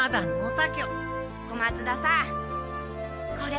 小松田さんこれ。